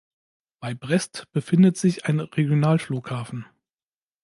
Bei Brest befindet sich ein Regionalflughafen.